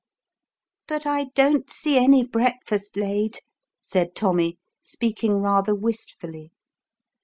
"But I don't see any breakfast laid," said Tommy, speaking rather wistfully.